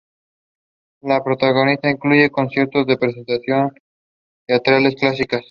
La programación incluye conciertos y representaciones teatrales clásicas.